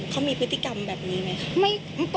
เขามีพฤติกรรมแบบนี้ไหม